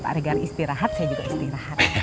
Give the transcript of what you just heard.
iya ya pak regar istirahat saya juga istirahat